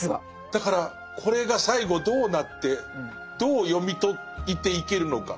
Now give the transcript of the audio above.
だからこれが最後どうなってどう読み解いていけるのか。